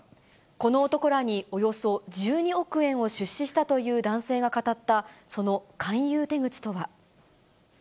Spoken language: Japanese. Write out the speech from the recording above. この男らにおよそ１２億円を出資したという男性が語った、その勧誘手口とは。